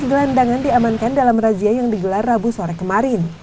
tiga gelandangan diamankan dalam razia yang digelar rabu sore kemarin